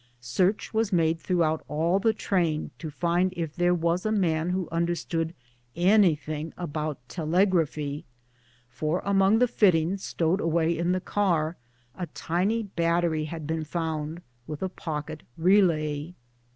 Search was made throughout all the train to find if there was a man who understood anything about teleg raphy, for among the fittings stowed away in the car a tiny battery had been found, with a pocket relay.